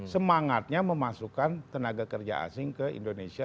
semangatnya memasukkan tenaga kerja asing ke indonesia